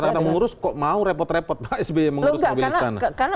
kata kata mengurus kok mau repot repot pak sby mengurus mobil istana